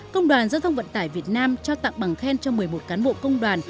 công đoàn giao thông vận tải việt nam cho tặng bằng khen cho một mươi một cán bộ công đoàn